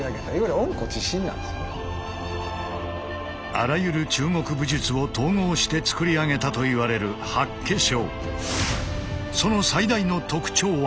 あらゆる中国武術を統合して創り上げたといわれる八卦掌。